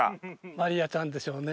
まりあちゃんでしょうね。